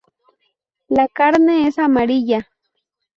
La carne es amarilla.